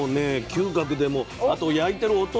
嗅覚でもあと焼いてる音